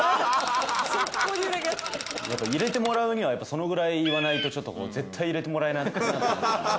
やっぱ入れてもらうにはそのぐらい言わないとちょっと絶対入れてもらえないなと思ったんで。